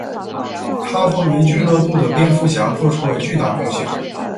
他作为俱乐部的蝙蝠侠做出了巨大贡献。